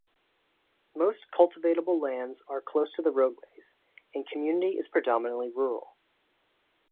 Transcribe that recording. Most cultivatable lands are close to the roadways, and the community is predominantly rural.